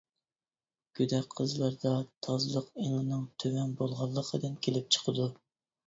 گۆدەك قىزلاردا تازىلىق ئېڭىنىڭ تۆۋەن بولغانلىقىدىن كېلىپ چىقىدۇ.